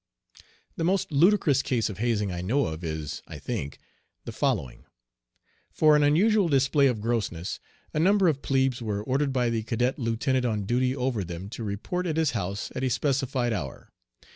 The most ludicrous case of hazing I know of is, I think, the following: For an unusual display of grossness a number of plebes were ordered by the cadet lieutenant on duty over them to report at his "house" at a specified hour.